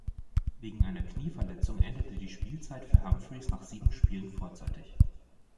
Wegen einer Knieverletzung endete die Spielzeit für Humphries nach sieben Spielen vorzeitig.